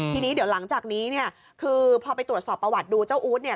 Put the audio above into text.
ทีนี้เดี๋ยวหลังจากนี้เนี่ยคือพอไปตรวจสอบประวัติดูเจ้าอู๊ดเนี่ย